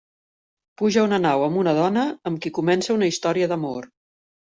Puja a una nau amb una dona, amb qui comença una història d'amor.